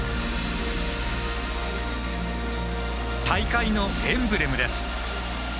大会のエンブレムです。